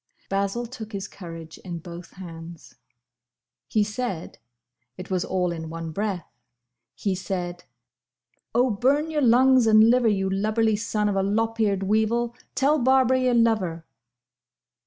Basil took his courage in both hands. "He said—it was all in one breath—He said, 'O burn your lungs and liver you lubberly son of a lop eared weevil tell Barbara you love her!